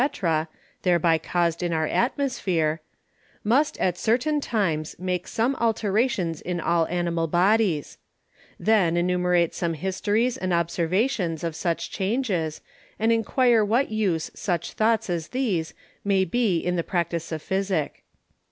_ thereby caused in our Atmosphere, must at certain times make some Alterations in all Animal Bodies; then enumerate some Histories and Observations of such Changes, and enquire of what Use such Thoughts as these may be in the Practice of Physick.